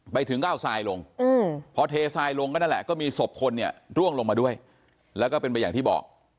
ไปถึงก็เอาทรายลงพอเททรายลงก็นั่นแหละก็มีศพคนเนี่ยร่วงลงมาด้วยแล้วก็เป็นไปอย่างที่บอก